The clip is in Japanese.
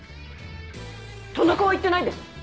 田中は言ってないです！